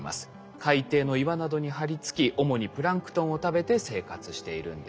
海底の岩などに張り付き主にプランクトンを食べて生活しているんです。